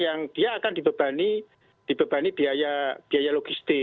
yang dia akan dibebani biaya logistik